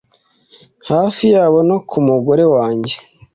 hafi yabo no ku mugore wanjye